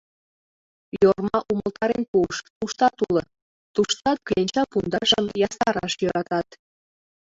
Йорма умылтарен пуыш: туштат уло, туштат кленча пундашым ястараш йӧратат.